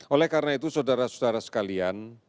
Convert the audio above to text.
oleh karena itu saudara saudara sekalian